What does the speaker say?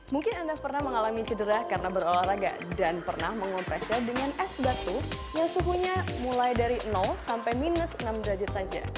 mungkin anda pernah mengalami cedera karena berolahraga dan pernah mengompresnya dengan es batu yang suhunya mulai dari sampai minus enam derajat saja